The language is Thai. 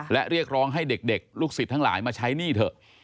และเรียกร้องให้เด็กลูกศิษย์ทั้งหลายมาใช้หนี้เถอะ